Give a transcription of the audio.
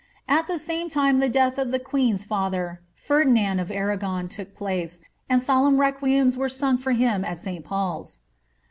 At the same time the death of the queen's father, Ferdinand of Arragon, took place, and solemn requiems were sung for hm at St. Paul's.